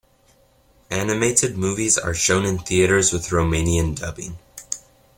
Animated movies are shown in theaters with Romanian dubbing.